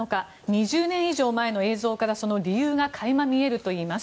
２０年以上前の映像からその理由が垣間見えるといいます。